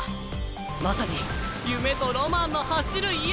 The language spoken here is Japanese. まさに夢とロマンの走る家！